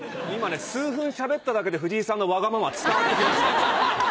今ね数分しゃべっただけで藤井さんのわがまま伝わってきました。